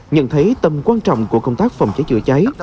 nhận thấy tầm quan trọng của công tác phòng cháy chữa cháy